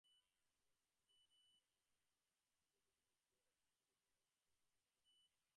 আমাদের মধ্যে সহনশীলতার অভাব, জৈবপ্রযুক্তির অদূরদর্শী ব্যবহার আমাদের জন্য বিপদ ডেকে আনছে।